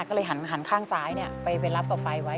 ก็เลยหันหันข้างซ้ายเนี้ยไปไปรับกับไฟไว้